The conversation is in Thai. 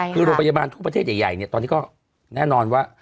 คือโรงพยาบาลทุกประเทศใหญ่เนี่ยตอนนี้ก็แน่นอนว่า